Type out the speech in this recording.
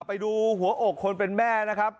ไปดูหัวอกคนเป็นแม่นะครับ